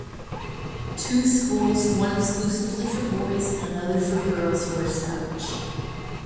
Two schools one exclusively for boys and another for girls were established.